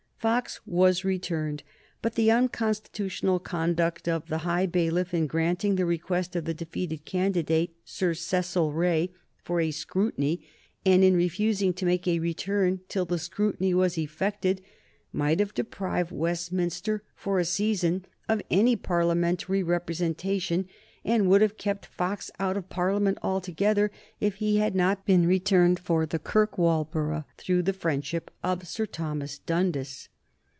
Fox was returned, but the unconstitutional conduct of the High Bailiff in granting the request of the defeated candidate, Sir Cecil Wray, for a scrutiny, and in refusing to make a return till the scrutiny was effected, might have deprived Westminster for a season of any Parliamentary representation, and would have kept Fox out of Parliament altogether if he had not been returned for the Kirkwall Borough through the friendship of Sir Thomas Dundas.